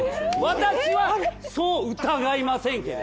私はそう疑いませんけれど。